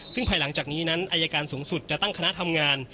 ซึ่งภายหลังจากนี้นั้นอายการสูงสุดจะตั้งคณะทำงาน